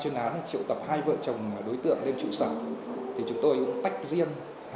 t mời linh là bạn đồng hương nhờ và giúp